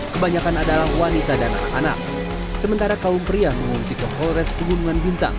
kebanyakan adalah wanita dan anak anak sementara kaum pria mengungsi keholres pembunuhan bintang